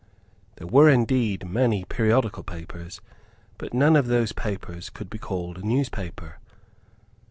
There were indeed many periodical papers; but none of those papers could be called a newspaper.